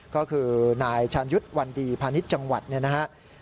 ก็คือนายชาญยุทธ์วันดีพาณิชย์จังหวัดเนี่ยนะครับ